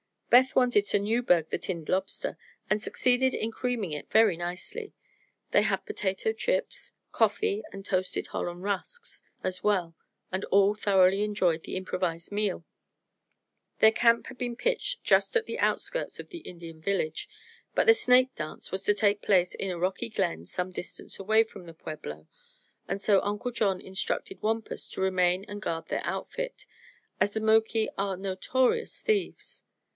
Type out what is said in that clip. Beth wanted to "Newburg" the tinned lobster, and succeeded in creaming it very nicely. They had potato chips, coffee and toasted Holland rusks, as well, and all thoroughly enjoyed the improvised meal. Their camp had been pitched just at the outskirts of the Indian village, but the snake dance was to take place in a rocky glen some distance away from the pueblo and so Uncle John instructed Wampus to remain and guard their outfit, as the Moki are notorious thieves.